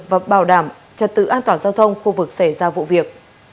và bảo đảm trật tự an toàn giao thông khu vực xảy ra vụ việc